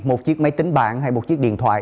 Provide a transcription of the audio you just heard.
một chiếc máy tính bạn hay một chiếc điện thoại